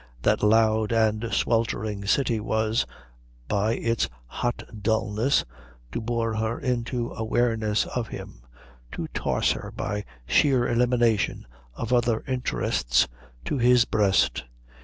That loud and sweltering city was, by its hot dulness, to bore her into awareness of him, to toss her by sheer elimination of other interests to his breast.